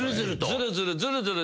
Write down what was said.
ずるずるずるずる。